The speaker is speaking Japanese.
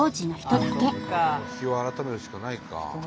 日を改めるしかないか。